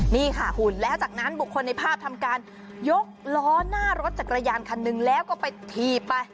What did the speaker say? นี่ค่ะคุณแล้วจากนั้นบุคคลในภาพทำการยกล้อหน้ารถจักรยานคันหนึ่งแล้วก็ไปถีบไป